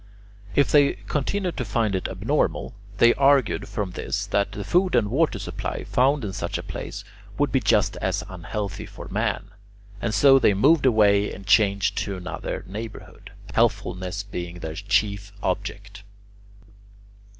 If they continued to find it abnormal, they argued from this that the food and water supply found in such a place would be just as unhealthy for man, and so they moved away and changed to another neighbourhood, healthfulness being their chief object.